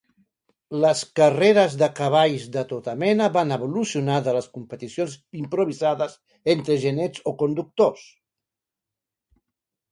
Les carreres de cavalls de tota mena van evolucionar de les competicions improvisades entre genets o conductors.